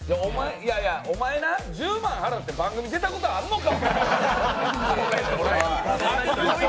お前な、１０万払って番組出たことあるのか？